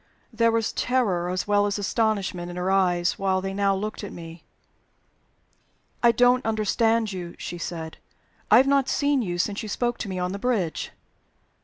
There was terror as well as astonishment in her eyes while they now looked at me. "I don't understand you," she said. "I have not seen you since you spoke to me on the bridge."